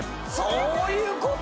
そういうこと